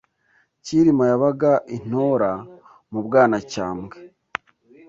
Cyirima yabaga i Ntora mu Bwanacyambwe;